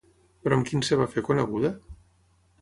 Però amb quin es va fer coneguda?